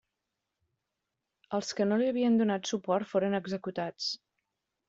Els que no li havien donat suport foren executats.